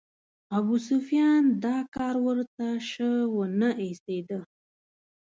ابوسفیان دا کار ورته شه ونه ایسېده.